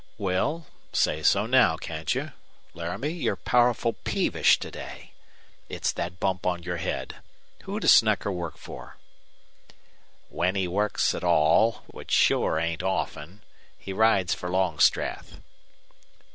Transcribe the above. "Well, say so now, can't you? Laramie, you're powerful peevish to day. It's that bump on your head. Who does Snecker work for?" "When he works at all, which sure ain't often, he rides for Longstreth."